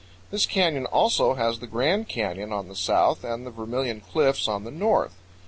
This canyon also has the Grand Canyon on the south and the Vermilion Cliffs on the north.